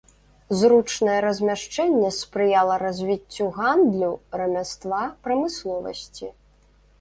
Зручнае размяшчэнне спрыяла развіццю гандлю, рамяства, прамысловасці.